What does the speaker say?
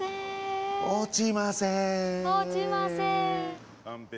落ちません。